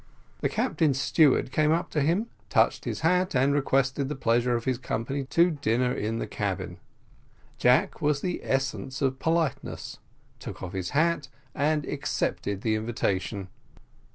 The captain's steward came up to him, touched his hat, and requested the pleasure of his company to dinner in the cabin. Jack was the essence of politeness, took off his hat, and accepted the invitation.